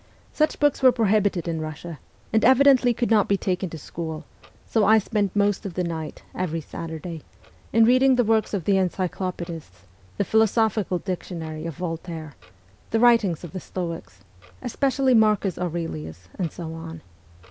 Such books were prohibited in Eussia, and evidently could not be taken to school ; so I spent most of the night, every Saturday, in reading the works of the encyclopaedists, the ' Philosophical Dic tionary ' of Voltaire, the writings of the Stoics, especially Marcus Aurelius, and so on.